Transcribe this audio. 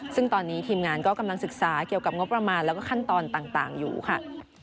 ซึ่งตอนนี้ทีมงานก็กำลังศึกษาเกี่ยวกับงบประมาณแล้วก็ขั้นตอนต่างอยู่ค่ะ